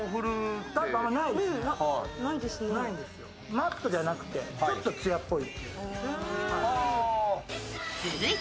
マットじゃなくてちょっと艶っぽい。